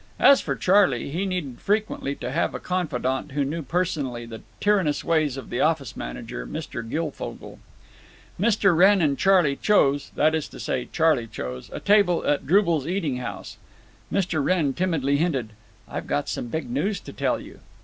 As for Charley, He needed frequently to have a confidant who knew personally the tyrannous ways of the office manager, Mr. Guilfogle. Mr. Wrenn and Charley chose (that is to say, Charley chose) a table at Drubel's Eating House. Mr. Wrenn timidly hinted, "I've got some big news to tell you."